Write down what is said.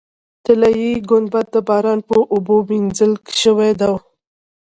طلایي ګنبده د باران په اوبو وینځل شوې وه.